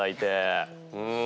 うん。